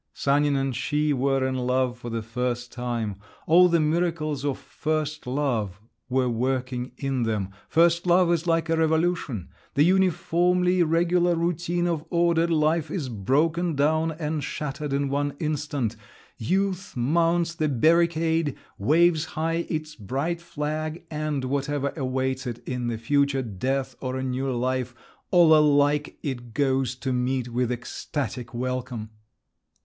Sanin and she were in love for the first time; all the miracles of first love were working in them. First love is like a revolution; the uniformly regular routine of ordered life is broken down and shattered in one instant; youth mounts the barricade, waves high its bright flag, and whatever awaits it in the future—death or a new life—all alike it goes to meet with ecstatic welcome.